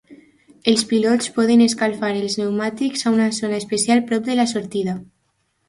Els pilots poden escalfar els pneumàtics a una zona especial prop de la sortida.